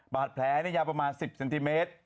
บาดแผลยาวประมาณ๑๐เซนติเมตร